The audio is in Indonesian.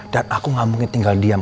aku gak mungkin tinggal diam